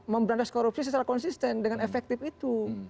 memberantas korupsi secara konsisten dengan efektif itu